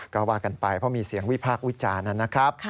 ก็ว่ากันไปเพราะมีเสียงวิพากษ์วิจารณ์นะครับ